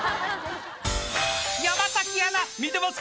［山アナ見てますか？］